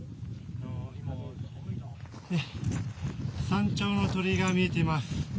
山頂の鳥居が見えています。